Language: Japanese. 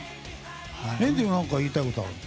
メンディーは何か言いたいことがある？